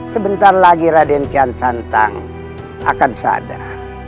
sebentar lagi raden ngesantang akan sadar